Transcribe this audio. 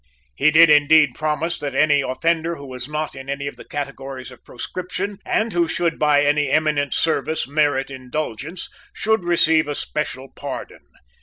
He did indeed promise that any offender who was not in any of the categories of proscription, and who should by any eminent service merit indulgence, should receive a special pardon.